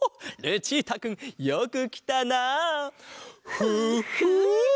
ルチータくんよくきたな。フッフ！